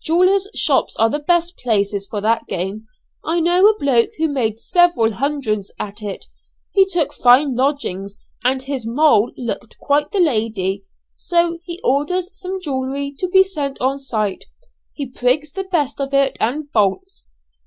Jewellers' shops are the best places for that game. I know a bloke who made several hundreds at it; he took fine lodgings, and his moll looked quite the lady, so he orders some jewellery to be sent on sight; he prigs the best of it and bolts.